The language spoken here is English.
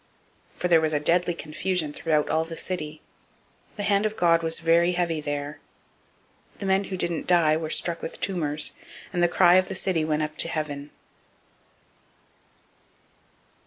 For there was a deadly confusion throughout all the city; the hand of God was very heavy there. 005:012 The men who didn't die were struck with the tumors; and the cry of the city went up to heaven.